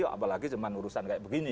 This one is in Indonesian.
apalagi cuma urusan kayak begini